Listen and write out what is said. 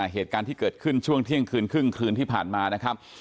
เหตุการณ์ที่เกิดขึ้นช่วงเที่ยงคืนครึ่งคืนที่ผ่านมานะครับ